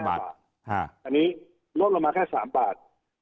อันนี้ลดลงมาแค่๓บาท